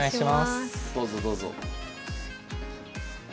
どうぞどうぞ。